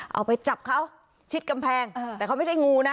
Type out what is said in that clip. เอาไปจับเขาชิดกำแพงแต่เขาไม่ใช่งูนะ